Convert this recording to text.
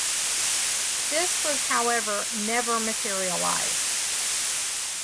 This was however never materialized.